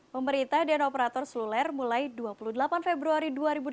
pemerintah dan operator seluler mulai dua puluh delapan februari dua ribu delapan belas